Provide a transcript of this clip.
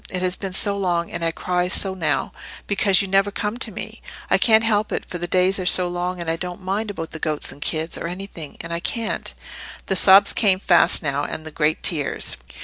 It has been so long, and I cry so now, because you never come to me. I can't help it, for the days are so long, and I don't mind about the goats and kids, or anything—and I can't—" The sobs came fast now, and the great tears.